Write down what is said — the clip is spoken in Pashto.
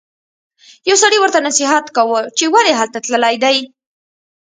یو سړي ورته نصیحت کاوه چې ولې هلته تللی دی.